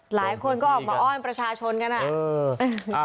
หลายคนก็ออกมาอ้อนประชาชนกันอ่ะ